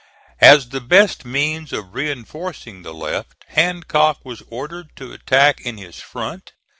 As the best means of reinforcing the left, Hancock was ordered to attack in his front.